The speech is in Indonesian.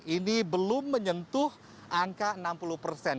ini belum menyentuh angka enam puluh persen